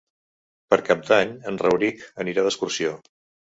Per Cap d'Any en Rauric anirà d'excursió.